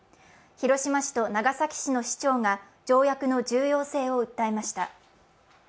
広島市と長崎市の市長が条約の重要性を訴えました。